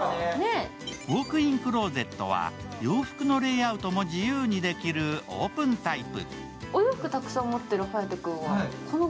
ウオークインクローゼットは洋服のレイアウトも自由にできるオープンタイプ。